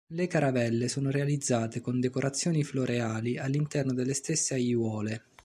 Le caravelle sono realizzate con decorazioni floreali all'interno delle stesse aiuole.